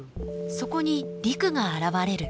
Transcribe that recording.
そこに陸が現れる。